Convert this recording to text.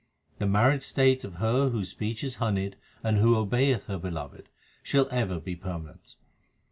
The married state of her whose speech is honeyed and who obeyeth her Beloved, shall ever be permanent.